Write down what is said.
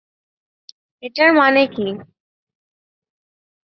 এটার মানে কি?